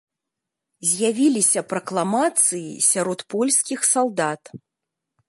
З'явіліся пракламацыі сярод польскіх салдат.